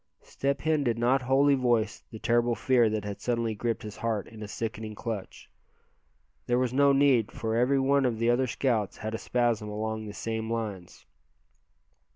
Step Hen did not wholly voice the terrible fear that had suddenly gripped his heart in a sickening clutch. There was no need, for every one of the other scouts had a spasm along the same lines.